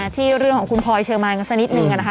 ที่เรื่องของคุณพลอยเชอร์มานกันสักนิดนึงนะคะ